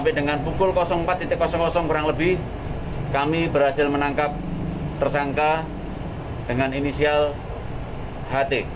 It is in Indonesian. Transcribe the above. sampai dengan pukul empat kurang lebih kami berhasil menangkap tersangka dengan inisial ht